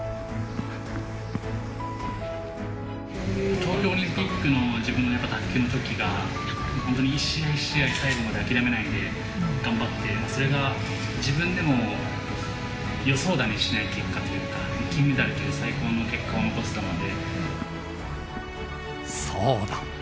東京オリンピックの自分の卓球のときが、本当に一試合一試合、最後まで諦めないで頑張って、それが自分でも予想だにしない結果というか、金メダルという最高の結果を残せそうだ。